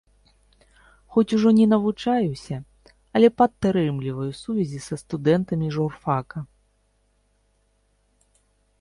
Хоць ужо не навучаюся, але падтрымліваю сувязі са студэнтамі журфака.